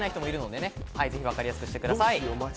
分かりやすくしてください。